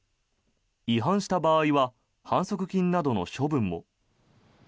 違反した場合は反則金などの処分も。